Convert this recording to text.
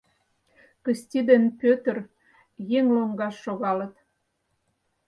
Кысти ден Пӧтыр еҥ лоҥгаш шогалыт.